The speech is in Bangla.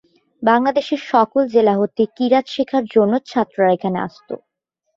বাংলাদেশের সকল জেলা হতে কিরাত শেখার জন্য ছাত্ররা এখানে আসত।